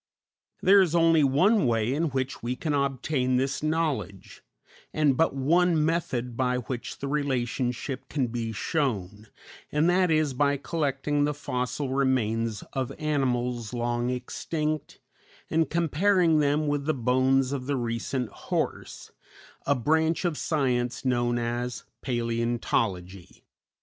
There is only one way in which we can obtain this knowledge, and but one method by which the relationship can be shown, and that is by collecting the fossil remains of animals long extinct and comparing them with the bones of the recent horse, a branch of science known as Palæontology.